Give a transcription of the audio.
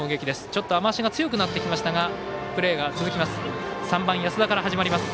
ちょっと雨足が強くなってきましたがプレーが続きます。